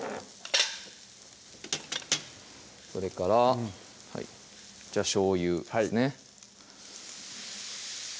それからこちらしょうゆですね